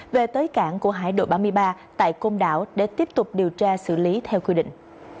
về tới cảng của hải đội ba mươi ba tại côn đảo để tiếp tục điều tra xử lý theo quy định